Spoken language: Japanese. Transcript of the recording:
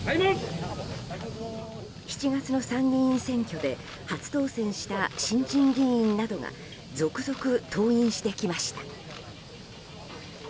７月の参議院選挙で初当選した新人議員などが続々登院してきました。